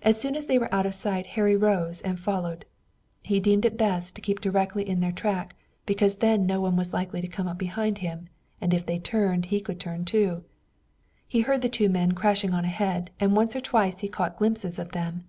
As soon as they were out of sight Harry rose and followed. He deemed it best to keep directly in their track, because then no one was likely to come up behind him, and if they turned, he could turn, too. He heard the two men crashing on ahead and once or twice he caught glimpses of them.